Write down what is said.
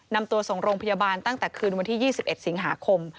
นำตัวส่งโรงพยาบาลตั้งแต่คืนวันที่๒๑สิงหาคม